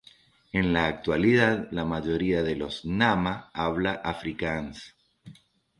En la actualidad la mayoría de los nama habla el afrikáans.